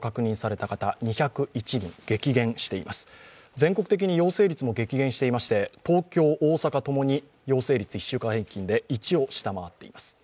全国的に陽性率も激減していまして、東京、大阪共に陽性率１週間平均で１を下回っています。